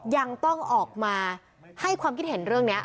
ยังต้องออกมาให้ความคิดเห็นเรื่องนี้